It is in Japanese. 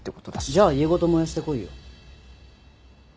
じゃあ家ごと燃やしてこいよ。